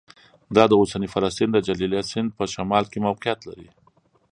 دا د اوسني فلسطین د جلیلیه سیند په شمال کې موقعیت لري